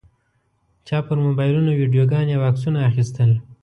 چا پر موبایلونو ویډیوګانې او عکسونه اخیستل.